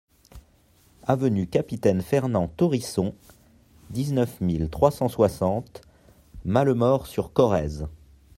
Avenue Capitaine Fernand Taurisson, dix-neuf mille trois cent soixante Malemort-sur-Corrèze